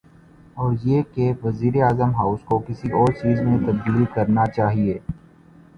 اوریہ کہ وزیراعظم ہاؤس کو کسی اورچیز میں تبدیل کرنا چاہیے۔